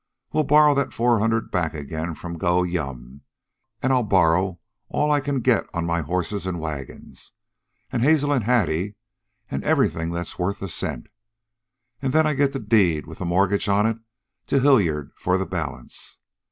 We'll borrow that four hundred back again from Gow Yum, an' I'll borrow all I can get on my horses an' wagons, an' Hazel and Hattie, an' everything that's worth a cent. An' then I get the deed with a mortgage on it to Hilyard for the balance.